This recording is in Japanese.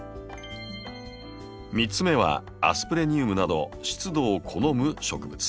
３つ目はアスプレニウムなど湿度を好む植物。